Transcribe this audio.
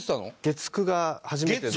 月９が初めての。